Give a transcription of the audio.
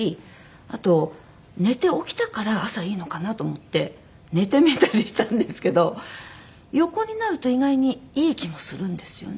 あと寝て起きたから朝いいのかなと思って寝てみたりしたんですけど横になると意外にいい気もするんですよね。